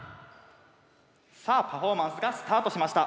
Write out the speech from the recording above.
さぁパフォーマンスがスタートしました。